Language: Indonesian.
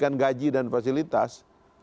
diberikan gaji dan fasilitas